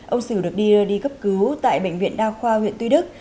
ông sửu được đi rơi đi cấp cứu tại bệnh viện đa khoa huyện tuy đức